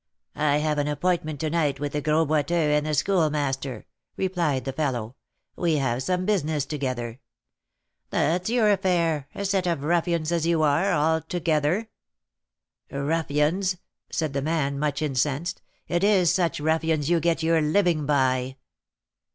"I have an appointment to night with the Gros Boiteux and the Schoolmaster," replied the fellow; "we have some business together." "That's your affair, a set of ruffians, as you are, altogether." "Ruffians!" said the man, much incensed; "it is such ruffians you get your living by."